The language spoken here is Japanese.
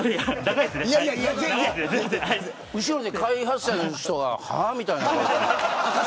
後ろで開発者の人がはあ、みたいな。